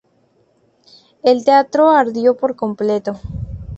El teatro ardió por completo.